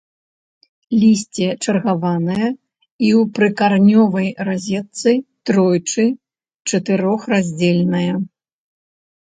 Лісце чаргаванае і ў прыкаранёвай разетцы, тройчы-чатырохраздзельнае.